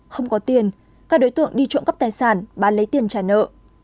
không có tiền các đối tượng đi trộm cắp tài sản bán lấy tiền trả nợ